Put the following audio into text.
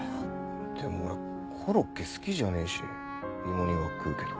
でも俺コロッケ好きじゃねえし芋煮は食うけど。